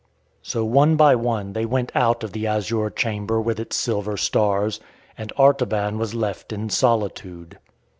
So one by one they went out of the azure chamber with its silver stars, and Artaban was left in solitude.